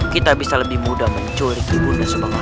kita bisa lebih mudah mencurigimu nda subang larang